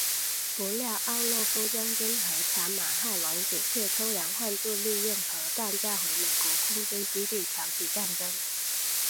不料奥洛夫将军和卡马汉王子却偷梁换柱利用核弹炸毁美国空军基地挑起战争。